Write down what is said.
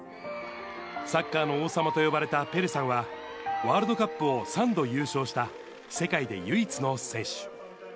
サッカーの王様と呼ばれたペレさんは、ワールドカップを３度優勝した、世界で唯一の選手。